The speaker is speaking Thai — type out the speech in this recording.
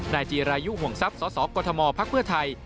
จีรายุห่วงทรัพย์สสกมพักเพื่อไทย